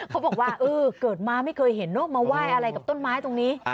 เขาบอกว่าเออเกิดมาไม่เคยเห็นเนอะมาไหว้อะไรกับต้นไม้ตรงนี้